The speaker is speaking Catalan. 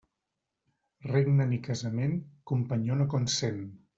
Regne ni casament, companyó no consent.